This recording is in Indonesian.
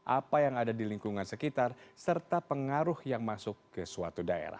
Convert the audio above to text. apa yang ada di lingkungan sekitar serta pengaruh yang masuk ke suatu daerah